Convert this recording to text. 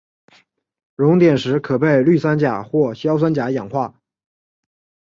熔点时可被氯酸钾或硝酸钾氧化。